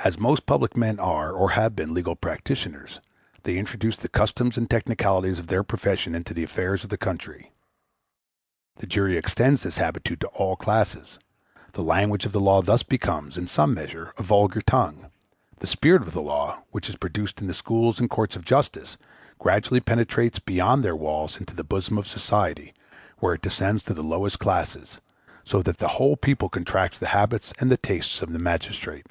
As most public men are, or have been, legal practitioners, they introduce the customs and technicalities of their profession into the affairs of the country. The jury extends this habitude to all classes. The language of the law thus becomes, in some measure, a vulgar tongue; the spirit of the law, which is produced in the schools and courts of justice, gradually penetrates beyond their walls into the bosom of society, where it descends to the lowest classes, so that the whole people contracts the habits and the tastes of the magistrate.